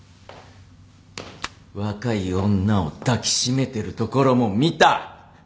若い女を抱き締めてるところも見た。